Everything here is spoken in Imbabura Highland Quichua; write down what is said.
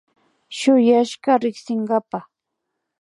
Shuyashka riksinkapa